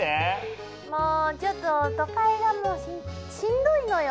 もうちょっと都会がもうしんどいのよ。